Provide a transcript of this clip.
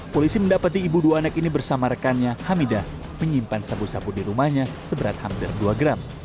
polisi mendapati ibu dua anak ini bersama rekannya hamidah menyimpan sabu sabu di rumahnya seberat hampir dua gram